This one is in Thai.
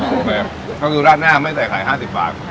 โอเคก็คือราดหน้าไม่ใส่ไข่๕๐บาท